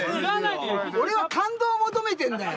俺は感動を求めてんだよ。